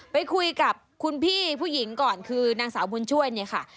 ไปคุยกับคุณพี่ผู้หญิงก่อนคือนางสาวบุญช่วยเนี่ยค่ะ